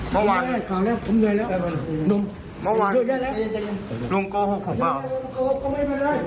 บ้านวันนี้ลุงก้โกหกของเปล่ารุ่ววันลุงโกหกของเปล่า